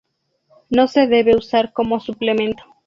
No se debe usar como suplemento.